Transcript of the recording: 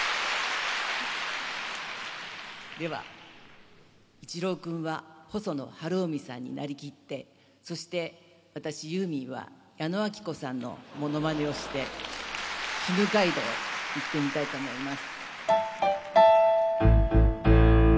ではイチロウ君は細野晴臣さんになりきってそして私ユーミンは矢野顕子さんのものまねをして「絹街道」いってみたいと思います。